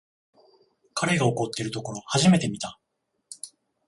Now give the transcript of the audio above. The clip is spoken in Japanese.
彼が怒ってるところ初めて見た